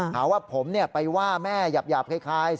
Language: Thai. ขอว่าผมเนี่ยไปว่าแม่หยาบคล้าย